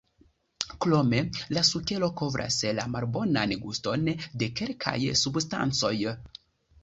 Krome la sukero kovras la malbonan guston de kelkaj substancoj.